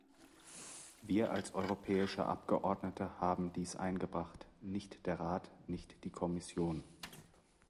Wir als europäische Abgeordnete haben dies eingebracht, nicht der Rat, nicht die Kommission!